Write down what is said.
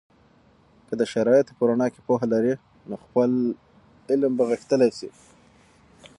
که د شرایطو په رڼا کې پوهه لرئ، نو خپل علم به غښتلی سي.